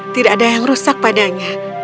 tidak ada yang rusak padanya